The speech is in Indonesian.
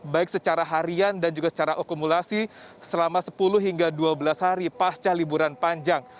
baik secara harian dan juga secara akumulasi selama sepuluh hingga dua belas hari pasca liburan panjang